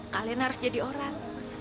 kalian harus jadi orang